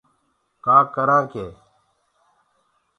ڪآ ڪرآنٚ ڪي